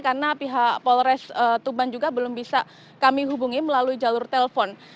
karena pihak polres tuban juga belum bisa kami hubungi melalui jalur telepon